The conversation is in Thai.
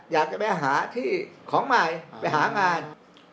อยากจะไปหาที่ของใหม่ไปหางาน